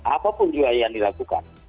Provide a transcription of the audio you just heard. apapun juga yang dilakukan